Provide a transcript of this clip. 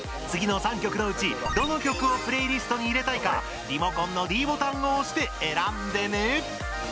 次の３曲のうち、どの曲をプレイリストに入れたいかリモコンのｄボタンを押して選んでね！